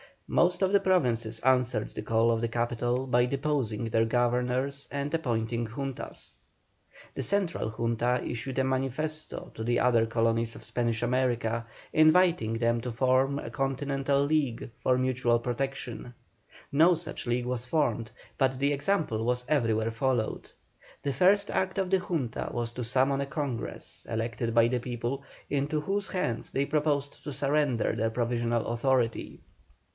Most of the Provinces answered the call of the capital by deposing their governors and appointing Juntas. The Central Junta issued a Manifesto to the other colonies of Spanish America, inviting them to form a continental league, for mutual protection. No such league was formed, but the example was everywhere followed. The first act of the Junta was to summon a Congress, elected by the people, into whose hands they proposed to surrender their provisional authority.